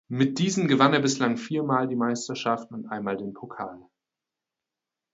Mit diesen gewann er bislang vier Mal die Meisterschaft und einmal den Pokal.